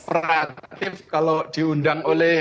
operatif kalau diundang oleh